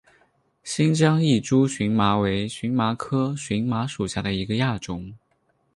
新疆异株荨麻为荨麻科荨麻属下的一个亚种。